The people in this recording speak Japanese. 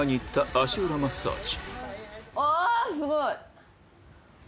足裏マッサージ